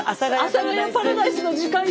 阿佐ヶ谷パラダイスの時間よ。